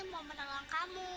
mau menolong kamu